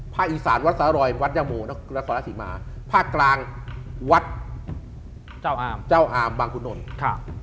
ภาคอีสานวัดสรรอยวัดยาโมภาคกลางวัดเจ้าอามบางคุณนทร์